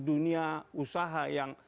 dunia usaha yang